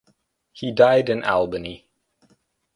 He died in Albany.